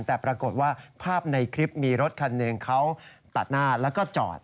แต่ปรากฏว่าภาพในคลิปมีรถคันหนึ่งเขาตัดหน้าแล้วก็จอด